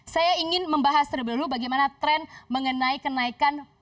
saya ingin membahas terlebih dahulu bagaimana tren mengenai kenaikan